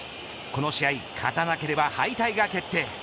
この試合勝たなければ敗退が決定。